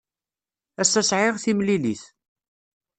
Ass-a sɛiɣ timlilit.